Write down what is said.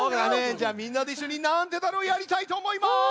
じゃあみんなでいっしょに「なんでだろう」やりたいとおもいます！